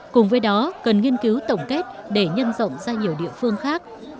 cùng với đó cần nghiên cứu tổng kết để nhân rộng ra nhiều địa phương khác